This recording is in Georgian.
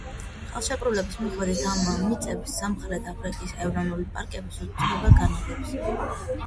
ხელშეკრულების მიხედვით ამ მიწებს სამხრეტ აფრიკის ეროვნული პარკების უწყება განაგებს.